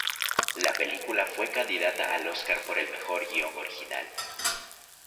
La película fue candidata al Oscar por el mejor guion original.